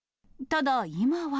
ただ、今は。